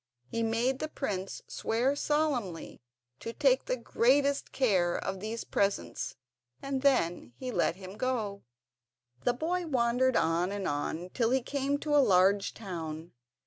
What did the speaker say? He made the prince swear solemnly to take the greatest care of these presents, and then he let him go. The boy wandered on and on till he came to a large town.